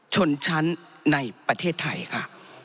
ชนชั้นในประเทศไทยค่ะ